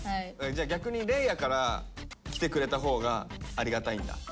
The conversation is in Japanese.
じゃあ逆に嶺亜から来てくれたほうがありがたいんだ？